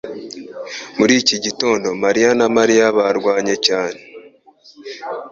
Muri iki gitondo mariya na Mariya barwanye cyane